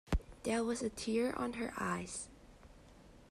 There was a tear on her eyes.